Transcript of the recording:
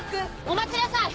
お待ちなさい！